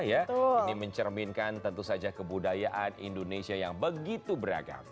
ini mencerminkan tentu saja kebudayaan indonesia yang begitu beragam